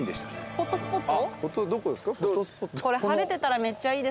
フォトスポット。